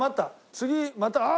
次また「あっ！」